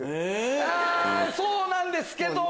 そうなんですけども。